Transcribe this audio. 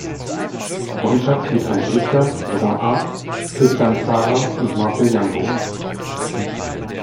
Freundschaft mit Hans Richter, Jean Arp, Tristan Tzara und Marcel Janco.